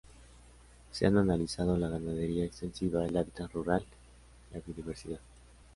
se han analizado la ganadería extensiva, el hábitat rural, la biodiversidad